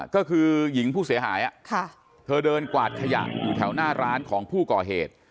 ก็คือหญิงผู้เสียหายเธอเดินกวาดขยะอยู่แถวหน้าร้านของผู้ก่อเหตุ